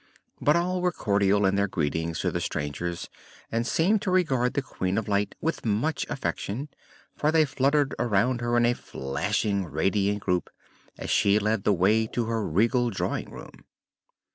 But all were cordial in their greetings to the strangers and seemed to regard the Queen of Light with much affection, for they fluttered around her in a flashing, radiant group as she led the way to her regal drawing room.